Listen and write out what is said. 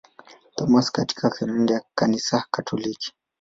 Thomas katika kalenda ya Kanisa Katoliki.